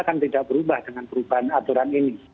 akan tidak berubah dengan perubahan aturan ini